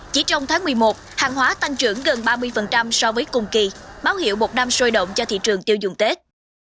chỉ trong tháng một mươi một hàng hóa tăng trưởng gần ba mươi so với cùng kỳ báo hiệu một năm sôi động cho thị trường tiêu dùng tết